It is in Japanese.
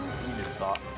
いいですか？